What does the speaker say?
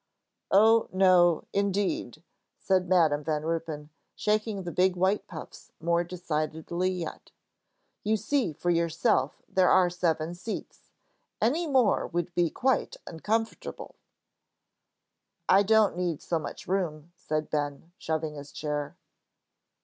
"Oh, no, indeed," said Madam Van Ruypen, shaking the big white puffs more decidedly yet. "You see for yourself there are seven seats. Any more would be quite uncomfortable." "I don't need so much room," said Ben, shoving his chair.